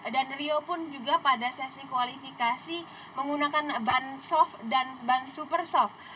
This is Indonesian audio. dan rio pun juga pada sesi kualifikasi menggunakan ban soft dan ban super soft